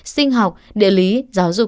sinh học địa lý giáo dục